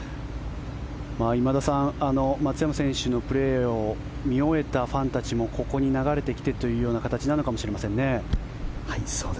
今田さん、松山選手のプレーを見終えたファンたちもここに流れてきてという形なのかもしれませんね。